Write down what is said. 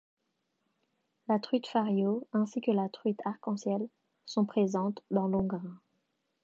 La truite Fario ainsi que la truite arc-en-ciel sont présentes dans l'Hongrin.